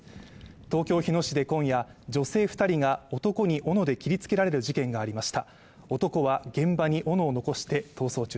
東京日野市で今夜、女性２人が男に斧で切りつけられる事件がありました。